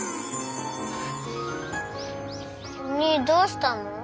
おにぃどうしたの？